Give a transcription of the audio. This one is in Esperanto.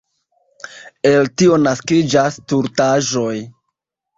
El tio naskiĝas stultaĵoj.